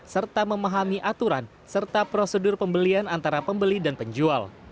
serta memahami aturan serta prosedur pembelian antara pembeli dan penjual